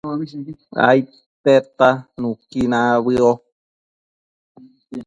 aidtedta nuqui nabëo